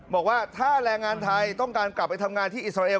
บอกว่าถ้าแรงงานไทยต้องการกลับไปทำงานที่อิสราเอล